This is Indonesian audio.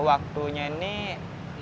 iko manggede marjana kampung denpasar bali